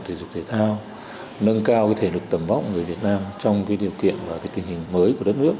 thể dục thể thao nâng cao thể lực tầm vóc người việt nam trong điều kiện và tình hình mới của đất nước